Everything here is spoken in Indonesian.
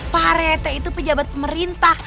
pak rete itu pejabat pemerintah